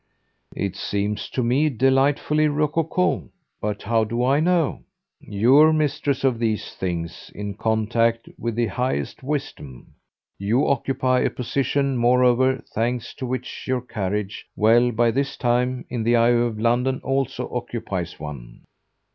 "It seems to me delightfully rococo. But how do I know? You're mistress of these things, in contact with the highest wisdom. You occupy a position, moreover, thanks to which your carriage well, by this time, in the eye of London, also occupies one."